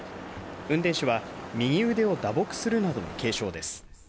運転手は右腕を打撲するなどの軽傷です。